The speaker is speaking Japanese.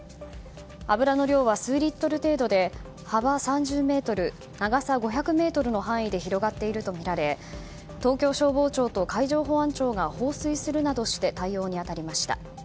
油の量は数リットル程度で幅３０ｍ、長さ５００ｍの範囲で広がっているとみられ東京消防庁と海上保安庁が放水するなどして対応に当たりました。